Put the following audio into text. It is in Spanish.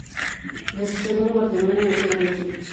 De su segundo matrimonio nacieron dos hijos.